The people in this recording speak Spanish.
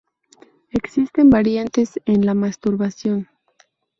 Existen variantes en la masturbación.